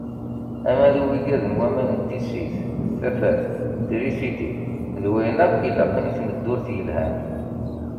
Ama d wigad n waman n tissit, tafat, trisiti, d wayen akk ilaqen i tmeddurt yelhan.